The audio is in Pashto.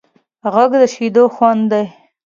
غږ د شیدو خوند دی